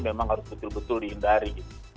memang harus betul betul dihindari